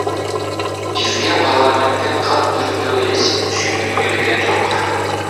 Бизге парламенттен кат түрүндөгү эч бир түшүндүрмө берилген жок.